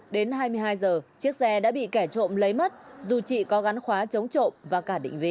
đến hai mươi hai giờ chiếc xe đã bị kẻ trộm lấy mất dù chị có gắn khóa chống trộm và cả định vị